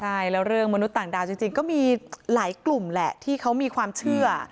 ใช่แล้วเรื่องมนุษย์ต่างดาวจริงก็มีหลายกลุ่มแหละที่เขามีความเชื่อ